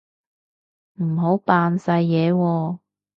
唔好扮晒嘢喎